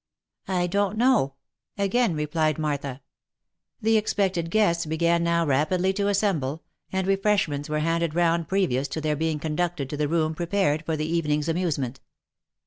" I don't know," again replied Martha. The expected guests began now rapidly to assemble, and refresh ments were handed round previous to their being conducted to the room prepared for the evening's amusement.